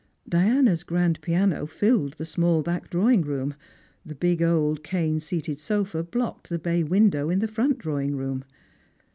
Diana's grand piano filled the small back drawing room, the big old cane seatcd sofa blocked the bay window in the front drawing room.